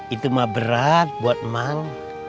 itu mah berat buat emang